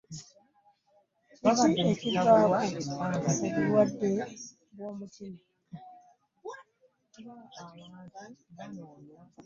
Amaziga g'ekisajja wadde gava wala nakaabye.